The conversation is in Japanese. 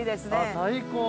最高。